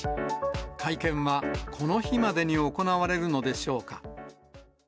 会見はこの日までに行われるのでしょうか。